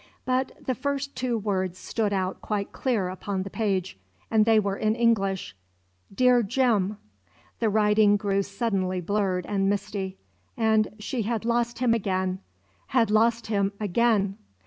But the first two words stood out quite clear upon the page; and they were in English: "Dear Jim." The writing grew suddenly blurred and misty. And she had lost him again had lost him again!